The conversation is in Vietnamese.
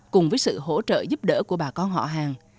cùng với sự hỗ trợ giúp đỡ của bà con họ hàng